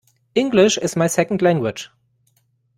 English is my second language.